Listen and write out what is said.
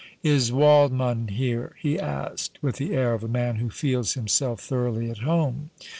"Is Waldmann here?" he asked, with the air of a man who feels himself thoroughly at home.